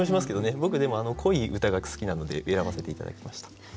僕でも濃い歌が好きなので選ばせて頂きました。